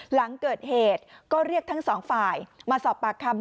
หลังเกิดเหตุก็เรียกทั้งสองฝ่ายมาสอบปากคำ